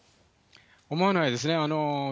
思わないですね。